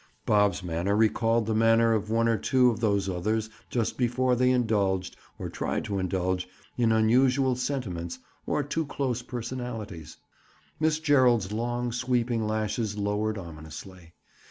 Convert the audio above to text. Bob's manner recalled the manner of one or two of those others just before they indulged, or tried to indulge, in unusual sentiments, or too close personalities. Miss Gerald's long sweeping lashes lowered ominously.